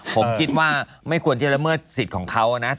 ผมคิดว่าไม่ควรจะละเมิดสิทธิ์ของเขานะ